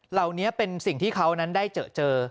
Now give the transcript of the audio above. เหล่านี้เป็นสิ่งที่เขานั้นได้เจอ